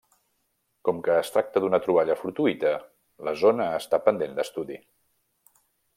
Com que es tracta d'una troballa fortuïta, la zona està pendent d'estudi.